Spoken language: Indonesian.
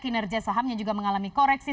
kinerja sahamnya juga mengalami koreksi